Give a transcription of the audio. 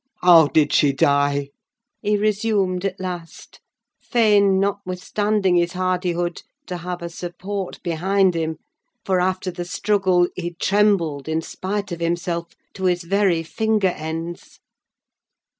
"How did she die?" he resumed, at last—fain, notwithstanding his hardihood, to have a support behind him; for, after the struggle, he trembled, in spite of himself, to his very finger ends.